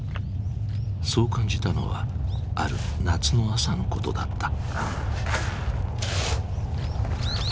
そう感じたのはある夏の朝のことだった。